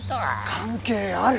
関係ある！